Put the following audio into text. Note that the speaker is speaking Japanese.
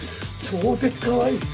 超絶かわいい！